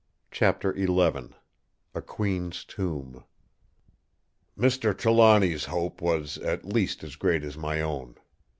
Chapter XI A Queen's Tomb "Mr. Trelawny's hope was at least as great as my own.